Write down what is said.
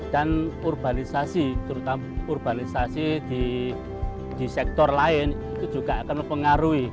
dan urbanisasi terutama urbanisasi di sektor lain itu juga akan mempengaruhi